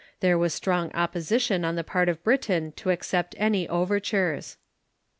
There was strong opposition on the part of Britain to accept an}^ overtures.